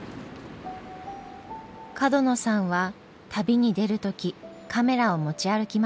角野さんは旅に出る時カメラを持ち歩きません。